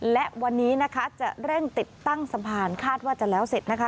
และวันนี้นะคะจะเร่งติดตั้งสะพานคาดว่าจะแล้วเสร็จนะคะ